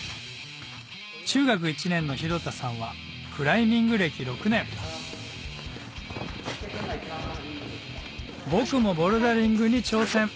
中学１年の廣田さんはクライミング歴６年僕もボルダリングに挑戦！